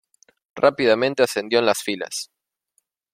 Rápidamente ascendió en las filas.